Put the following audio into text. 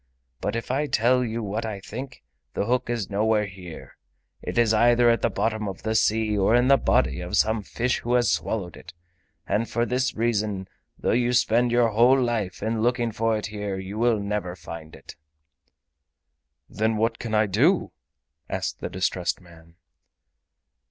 But if I tell you what I think, the hook is nowhere here—it is either at the bottom of the sea or in the body of some fish who has swallowed it, and for this reason, though you spend your whole life in looking for it here, you will never find it." "Then what can I do?" asked the distressed man.